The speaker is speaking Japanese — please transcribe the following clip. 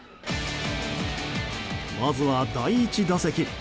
まずは第１打席。